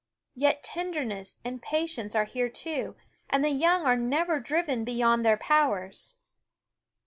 ool Yet tenderness and patience are here too, and the young are never driven beyond their powers.